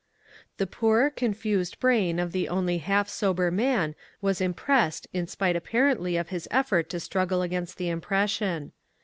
The poor, confused brain of the only half sober man was impressed in spite appar ently of his effort to struggle against the impression.